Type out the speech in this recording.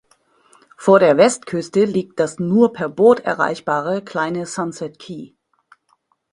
Vor der Westküste liegt das nur per Boot erreichbare kleine Sunset Key.